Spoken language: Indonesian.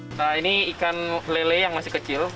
nah ini ikan lele yang masih kecil